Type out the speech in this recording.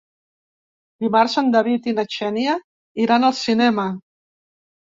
Dimarts en David i na Xènia iran al cinema.